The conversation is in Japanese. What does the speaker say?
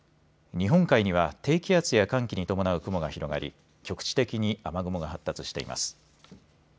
日本海には低気圧や寒気に伴う雲が広がり局地的に雨雲が発達しています。